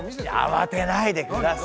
あわてないでください。